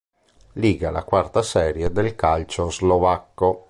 Liga, la quarta serie del calcio slovacco.